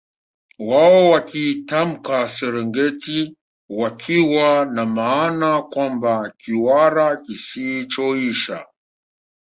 Wao wakiitamka Serengiti wakiwa na maana kwamba Kiwara kisichoisha